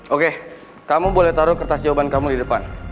oke kamu boleh taruh kertas jawaban kamu di depan